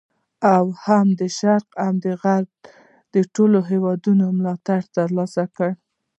او هم د شرق او غرب د ټولو هیوادونو ملاتړ تر لاسه کړ.